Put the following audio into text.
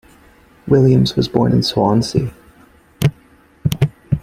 Williams was born in Swansea.